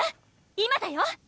今だよ！